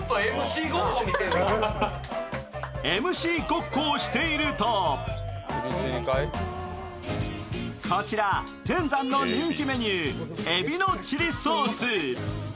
ＭＣごっこをしているとこちら天山の人気メニュー、エビのチリソース。